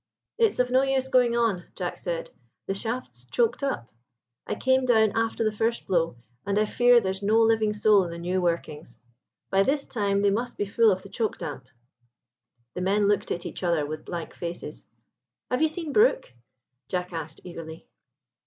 "It's of no use going on," Jack said; "the shaft's choked up. I came down after the first blow, and I fear there's no living soul in the new workings. By this time they must be full of the choke damp." The men looked at each other with blank faces. "Have you seen Brook?" Jack asked eagerly.